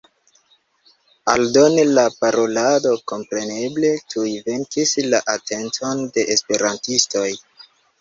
Aldone la parolado kompreneble tuj vekis la atenton de esperantistoj.